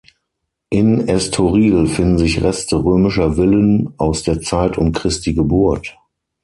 In Estoril finden sich Reste römischer Villen aus der Zeit um Christi Geburt.